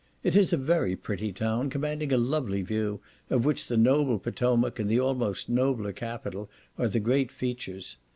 It is a very pretty town, commanding a lovely view, of which the noble Potomac and the almost nobler capitol, are the great features.